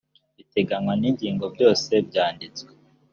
ibiteganywa n’ ingingo byose byanditswe.